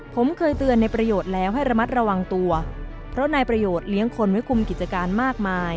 ผมเคยเตือนในประโยชน์แล้วให้ระมัดระวังตัวเพราะนายประโยชน์เลี้ยงคนไว้คุมกิจการมากมาย